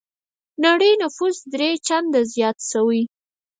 نړۍ نفوس درې چنده زيات شوی.